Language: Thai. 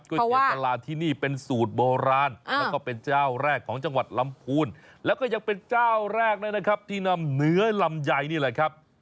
เตี๋ยตลาดที่นี่เป็นสูตรโบราณแล้วก็เป็นเจ้าแรกของจังหวัดลำพูนแล้วก็ยังเป็นเจ้าแรกด้วยนะครับที่นำเนื้อลำไยนี่แหละครับ